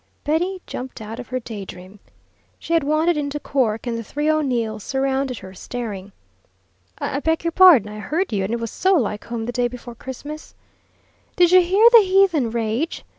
Betty jumped out of her day dream. She had wandered into "Cork" and the three O'Neills surrounded her, staring. "I beg your pardon I heard you and it was so like home the day before Christmas " "Did you hear the heathen rage?"